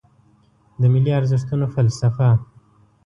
د ملي ارزښتونو فلسفه